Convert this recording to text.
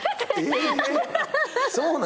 そうなの！？